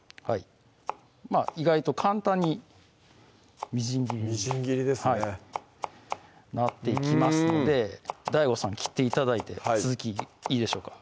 まぁ意外と簡単にみじん切りにみじん切りですねなっていきますのでうんＤＡＩＧＯさん切って頂いて続きいいでしょうか？